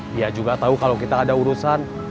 dia juga tahu kalau kita ada urusan